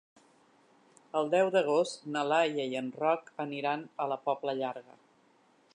El deu d'agost na Laia i en Roc aniran a la Pobla Llarga.